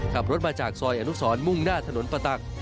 ขับรถมาจากซอยอนุสรมุ่งหน้าถนนประตัก